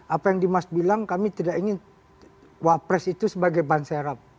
apa yang dimas bilang kami tidak ingin wapres itu sebagai ban serap